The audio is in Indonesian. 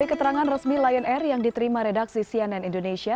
dari keterangan resmi lion air yang diterima redaksi cnn indonesia